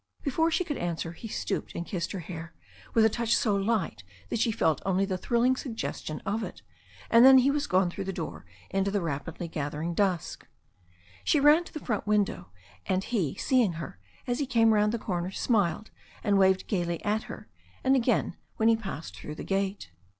Before she could answer he stooped and kissed her hair with a touch so light that she felt only the thrilling sugges 172 THE STORY OF A NEW ZEALAND RIVER tion of it, and then he was gone through the door into the rapidly gathering dusk. She ran to the front room window, and he, seeing her, as he came round the corner, smiled and waved gaily at her, and again when he had passed through the gate.